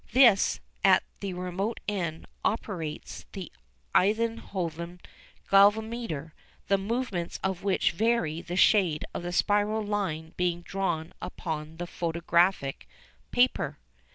This, at the remote end, operates the Einthoven galvanometer, the movements of which vary the shade of the spiral line being drawn upon the photographic paper.